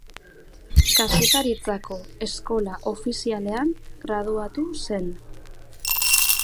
Kazetaritzako Eskola Ofizialean graduatu zen.